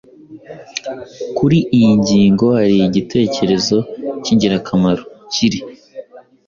Kuri iyi ngingo, hari igitekerezo cy’ingirakamaro kiri